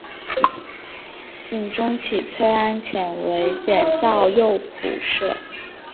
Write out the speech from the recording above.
僖宗起崔安潜为检校右仆射。